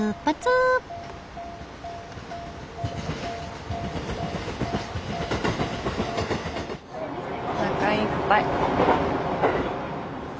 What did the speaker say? おなかいっぱい。